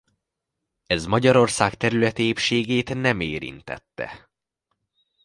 Ez Magyarország területi épségét nem érintette.